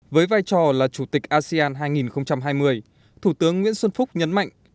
với vai trò là chủ tịch asean hai nghìn hai mươi thủ tướng nguyễn xuân phúc nhấn mạnh